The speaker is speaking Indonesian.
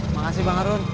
makasih bang arun